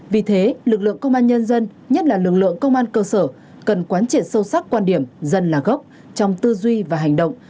vì thế lực lượng công an nhân dân nhất là lực lượng công an cơ sở cần quán triệt sâu sắc quan điểm dân là gốc trong tư duy và hành động